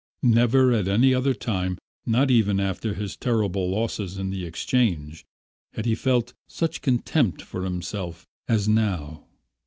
Never at any other time, not even after his terrible losses on the Exchange, had he felt such contempt for himself as now.